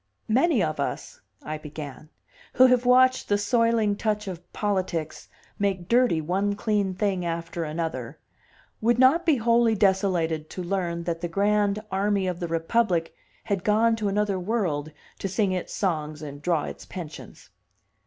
"Many of us," I began, "who have watched the soiling touch of politics make dirty one clean thing after another, would not be wholly desolated to learn that the Grand Army of the Republic had gone to another world to sing its songs and draw its pensions."